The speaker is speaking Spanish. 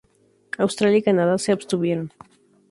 Australia y Canadá se abstuvieron.